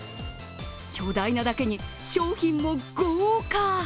巨大なだけに商品も豪華。